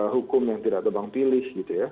hukum yang tidak terbangpilih